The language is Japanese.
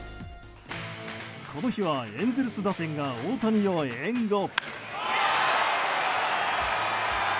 この日はエンゼルス打線が大谷を援護。